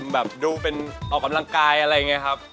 แบบดูเป็นออกกำลังกายอะไรอย่างนี้ครับ